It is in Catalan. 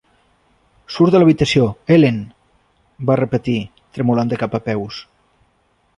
"Surt de l'habitació, Ellen!", Va repetir, tremolant de cap a peus.